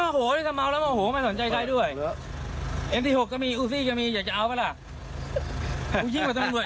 กูชิ่งกว่าตำรวจอีกจะบอกให้